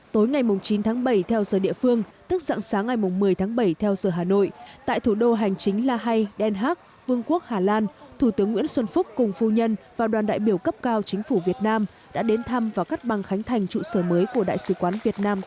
tối ngày chín tháng bảy theo giờ địa phương tức dạng sáng ngày một mươi tháng bảy theo giờ hà nội tại thủ đô hành chính lahai đen hac vương quốc hà lan thủ tướng nguyễn xuân phúc cùng phu nhân và đoàn đại biểu cấp cao chính phủ việt nam đã đến thăm và cắt băng khánh thành trụ sở mới của đại sứ quán việt nam